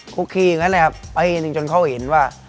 คุกคีอย่างนั้นเลยครับปีหนึ่งจนเขาเห็นว่า